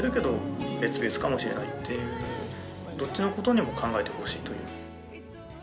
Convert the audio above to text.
どっちのことにも考えてほしいという。